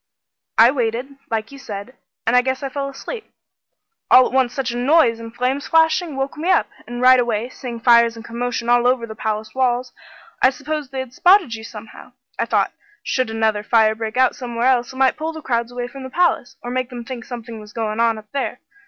"I waited, like you said, an' I guess I fell asleep. All at once such a noise, and flames flashing, woke me up, and right away, seeing fires and commotion all over the palace walls, I supposed they had spotted you somehow. I thought should another fire break out somewhere else, it might pull the crowds away from the palace, or make them think something was goin' on up there.